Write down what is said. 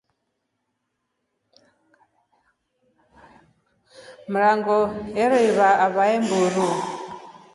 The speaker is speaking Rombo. Mrango arewa aeva mburu.